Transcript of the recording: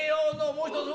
もう一つ